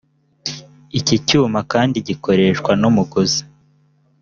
iki cyuma kandi gikoreshwa n’umuguzi